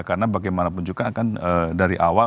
karena bagaimanapun juga akan dari awal